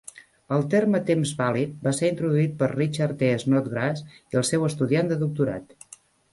El terme "temps vàlid" va ser introduït per Richard T. Snodgrass i el seu estudiant de doctorat.